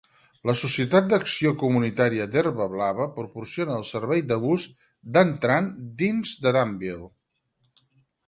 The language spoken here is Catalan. La Societat d'Acció Comunitària d'Herba Blava proporciona el servei de bus DanTran dins de Danville.